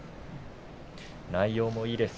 内容もいいです。